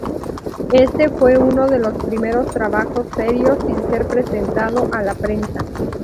Éste fue uno de los primeros trabajos serios en ser presentado a la prensa.